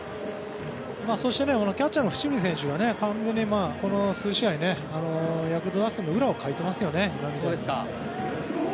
そしてキャッチャーの伏見選手が完全にこの数試合ヤクルト打線の裏をかいていますよね。